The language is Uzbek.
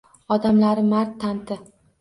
Odamlari mard, tanti.